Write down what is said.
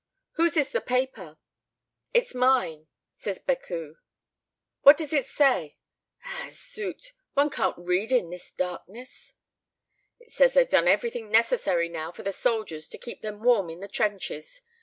"Whose is the paper?" "It's mine," says Becuwe. "What does it say? Ah, zut, one can't read in this darkness!" "It says they've done everything necessary now for the soldiers, to keep them warm in the trenches.